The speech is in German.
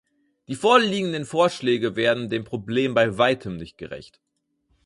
Die vorliegenden Vorschläge werden dem Problem bei weitem nicht gerecht.